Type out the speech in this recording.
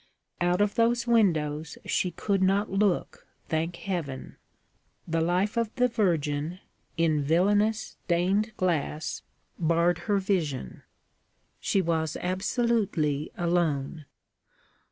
Out of those windows she could not look, thank Heaven! The life of the Virgin, in villainous stained glass, barred her vision. She was absolutely alone.